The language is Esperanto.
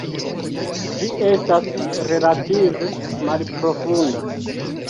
Ĝi estas relative malprofunda.